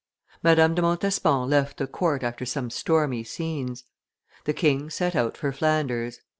Madame de Montespan left the court after some stormy scenes; the king set out for Flanders.